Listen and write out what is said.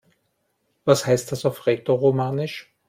Was heißt das auf Rätoromanisch?